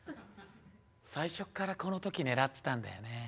最初っからこの時狙ってたんだよね。